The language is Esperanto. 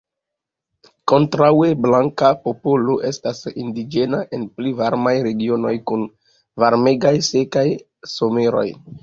Kontraŭe, blanka poplo estas indiĝena en pli varmaj regionoj, kun varmegaj, sekaj someroj.